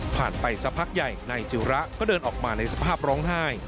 ไปสักพักใหญ่นายจิระก็เดินออกมาในสภาพร้องไห้